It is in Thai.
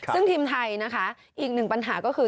ซึ่งทีมไทยนะคะอีกหนึ่งปัญหาก็คือ